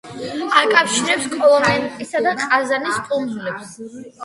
აკავშირებს კოლომენსკისა და ყაზანის კუნძულებს.